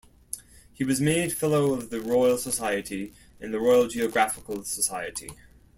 He was made fellow of the Royal Society and the Royal Geographical Society.